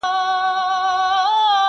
لکه مات لاس چي سي کم واکه نو زما په غاړه ,